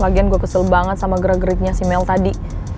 lagian gue kesel banget sama gerak geriknya si mel tadi